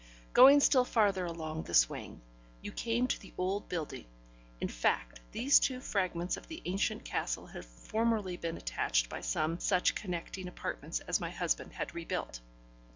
Going still farther along this wing, you came to the old building; in fact, these two fragments of the ancient castle had formerly been attached by some such connecting apartments as my husband had rebuilt.